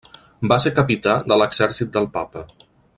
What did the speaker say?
Va ser capità de l'exèrcit del Papa.